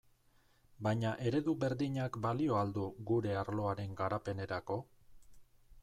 Baina eredu berdinak balio al du gure arloaren garapenerako?